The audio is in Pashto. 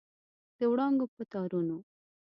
د وړانګو په تارونو